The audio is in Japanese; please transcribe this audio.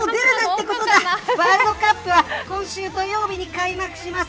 ワールドカップは今週土曜日に開幕します。